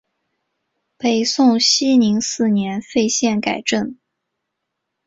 北宋熙宁四年废县改镇。